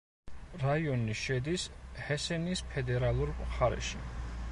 რაიონი შედის ჰესენის ფედერალურ მხარეში.